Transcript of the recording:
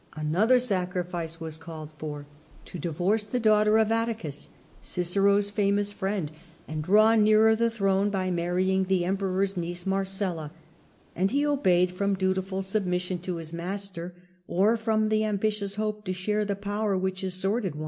Another sacrifice was called for — to divorce the daughter of Atticus, Cicero's famous Marries friend, and draw nearer the throne by marry Marceiia. jng the Emperoi^s niece, Marcella; and he obeyed from dutiful submission to his master, or from the ambitious hope to share the power which his sword had won.